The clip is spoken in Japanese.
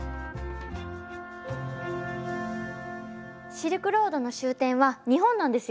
シルクロードの終点は日本なんですよね。